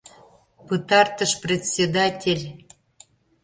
Пытартыш председатель.